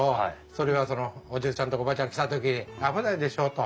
それはそのおじいちゃんとかおばあちゃん来た時に危ないでしょうと。